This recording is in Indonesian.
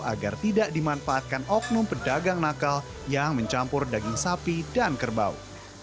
agar tidak dimanfaatkan oknum pedagang nakal yang mencampur daging sapi dan kerbau